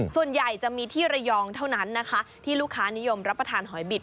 ส่วนใหญ่จะมีที่ระยองเท่านั้นนะคะที่ลูกค้านิยมรับประทานหอยบิด